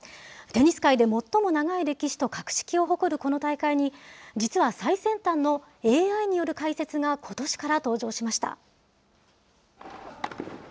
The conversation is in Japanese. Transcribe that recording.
テニス界で最も長い歴史と格式を誇るこの大会に、実は最先端のＡＩによる解説がことしから登場しました。